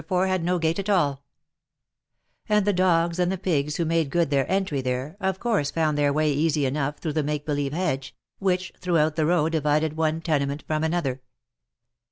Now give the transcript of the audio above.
4 had no gate at all ; and the dogs and the pigs who made good their entry there, of course found their way easy enough through the make believe hedge, which throughout the row divided one tenement from another.